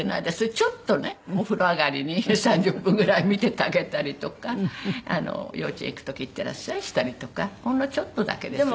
ちょっとねお風呂上がりに３０分ぐらい見ててあげたりとか幼稚園行く時いってらっしゃいしたりとかほんのちょっとだけですね。